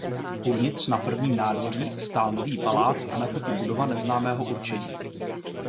Uvnitř na prvním nádvoří stál nový palác a naproti budova neznámého určení.